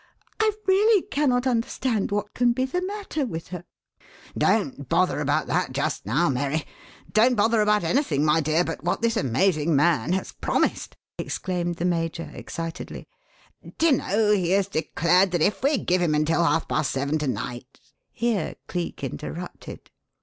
I really cannot understand what can be the matter with her." "Don't bother about that just now, Mary; don't bother about anything, my dear, but what this amazing man has promised," exclaimed the major excitedly. "Do you know, he has declared that if we give him until half past seven to night " Here Cleek interrupted.